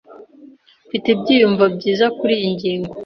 Mfite ibyiyumvo byiza kuriyi ngingo.